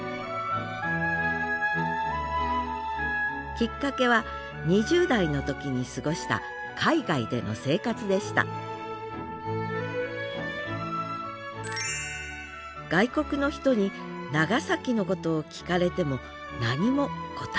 きっかけは２０代の時に過ごした海外での生活でした外国の人に長崎のことを聞かれても何も答えられなかったのです